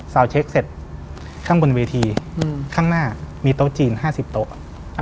เช็คเสร็จข้างบนเวทีข้างหน้ามีโต๊ะจีน๕๐โต๊ะ